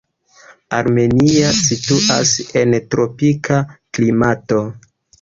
Armenia situas en tropika klimato.